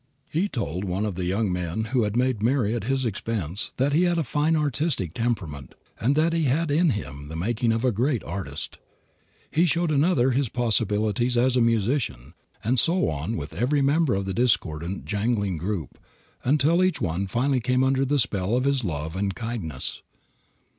He told one of the young men who had made merry at his expense that he had a fine artistic temperament, and that he had in him the making of a great artist. He showed another his possibilities as a musician, and so on with every member of the discordant, jangling group, until each one finally came under the spell of his love and kindness.